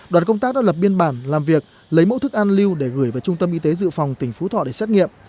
đoàn công tác đã lập biên bản làm việc lấy mẫu thức ăn lưu để gửi về trung tâm y tế dự phòng tỉnh phú thọ để xét nghiệm